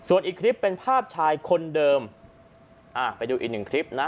ส่วนอีกคลิปเป็นภาพชายคนเดิมอ่าไปดูอีกหนึ่งคลิปนะ